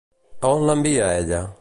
A on l'envia, ella?